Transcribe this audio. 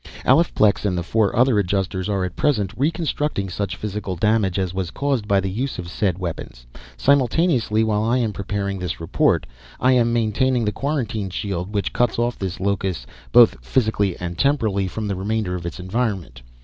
Alephplex and the four other Adjusters are at present reconstructing such physical damage as was caused by the use of said weapons. Simultaneously, while I am preparing this report, "I" am maintaining the quarantine shield which cuts off this locus, both physically and temporally, from the remainder of its environment.